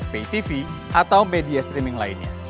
paytv atau media streaming lainnya